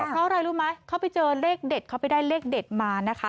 เพราะอะไรรู้ไหมเขาไปเจอเลขเด็ดเขาไปได้เลขเด็ดมานะคะ